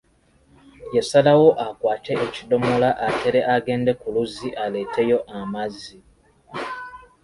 Yasalawo akwate ekidomola atere agende ku luzzi aleeteyo amazzi.